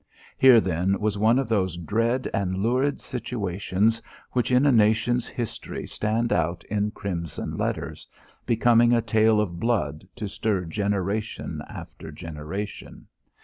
Here, then, was one of those dread and lurid situations, which in a nation's history stand out in crimson letters, becoming a tale of blood to stir generation after generation.